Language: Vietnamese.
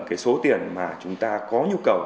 cái số tiền mà chúng ta có nhu cầu